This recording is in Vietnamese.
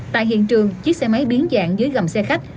tại hiện trường chiếc xe máy biến dạng dưới gầm xe khách